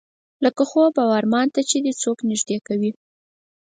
لکه خوب او ارمان ته دې چې څوک نږدې کوي.